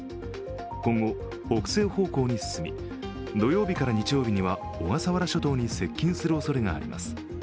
今後、北西方向に進み、土曜日から日曜日には小笠原諸島に接近するおそれがあります。